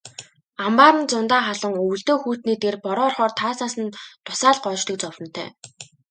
Амбаар нь зундаа халуун, өвөлдөө хүйтний дээр бороо орохоор таазнаас нь дусаал гоождог зовлонтой.